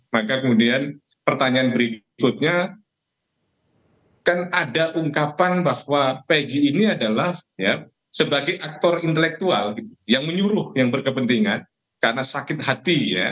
maka kemudian pertanyaan berikutnya kan ada ungkapan bahwa peggy ini adalah sebagai aktor intelektual yang menyuruh yang berkepentingan karena sakit hati ya